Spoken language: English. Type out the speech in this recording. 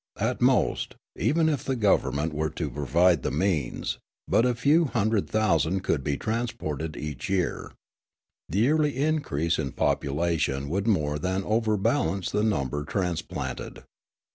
At most, even if the government were to provide the means, but a few hundred thousand could be transported each year. The yearly increase in population would more than overbalance the number transplanted.